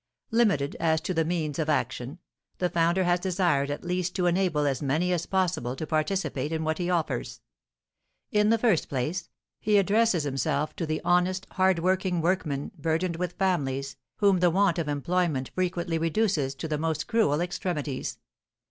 Limited as to the means of action, the founder has desired at least to enable as many as possible to participate in what he offers. In the first place, he addresses himself to the honest, hard working workmen, burdened with families, whom the want of employment frequently reduces to the most cruel extremities.